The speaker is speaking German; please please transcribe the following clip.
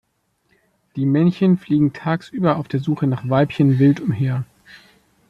Die Männchen fliegen tagsüber auf der Suche nach Weibchen wild umher.